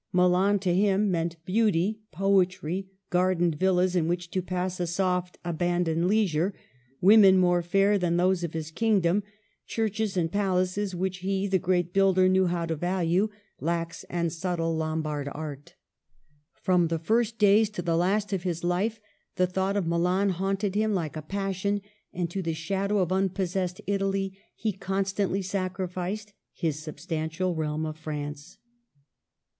Milan to him meant beauty, poetry ; gardened villas in which to pass a soft abandoned leisure ; women more fair than those of his kingdom ; churches and palaces which he, the great builder, knew how to value ; lax and subtle Lombard art. From the first days to the last of his life the thought of Milan haunted him like a passion, and to the shadow of unpossessed Italy he constantly sacrificed his substantial realm of France.